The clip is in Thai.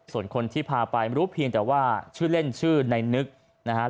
ส่วนคนที่พาไปรู้เพียงแต่ว่าชื่อเล่นชื่อในนึกนะครับ